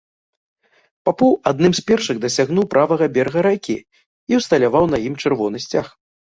Папоў адным з першых дасягнуў правага берага ракі і ўсталяваў на ім чырвоны сцяг.